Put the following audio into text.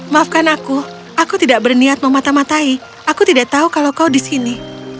maafkan aku aku tidak berniat memata matai aku tidak tahu kalau kau di sini